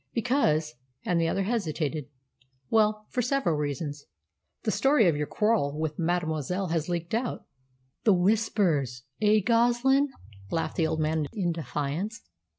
"Because " and the other hesitated. "Well, for several reasons. The story of your quarrel with mademoiselle has leaked out." "The Whispers eh, Goslin?" laughed the old man in defiance.